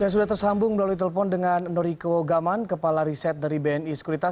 sudah tersambung melalui telepon dengan nuriko gaman kepala riset dari bni sekuritas